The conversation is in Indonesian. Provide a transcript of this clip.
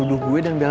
duh apa lagi sih